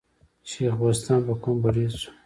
شېخ بُستان په قوم بړیڅ وو.